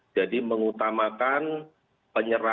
jadi mengutamakan penyerahan